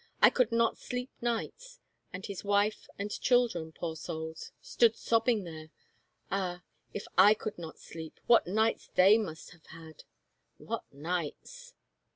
I could not sleep nights! And his wife and children, poor souls, stood sobbing there — Ah, if / could not sleep, what nights they must have had. What nights!